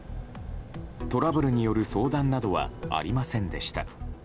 トラブルによる相談などはありませんでした。